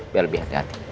biar lebih hati hati